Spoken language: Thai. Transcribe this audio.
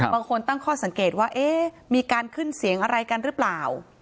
บางคนตั้งข้อสังเกตว่าเอ๊ะมีการขึ้นเสียงอะไรกันหรือเปล่า